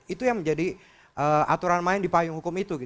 itu yang menjadi aturan main di payung hukum itu